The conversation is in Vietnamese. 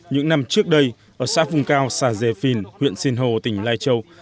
những năm trước đây ở xã phùng cao xà dê phìn huyện sinh hồ tỉnh lai châu